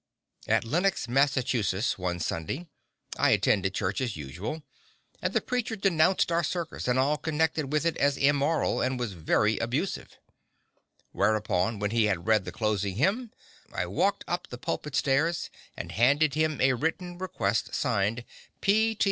At Lenox, Massachusetts, one Sunday I attended church as usual, and the preacher denounced our circus and all connected with it as immoral, and was very abusive; whereupon when he had read the closing hymn I walked up the pulpit stairs and handed him a written request, signed "P. T.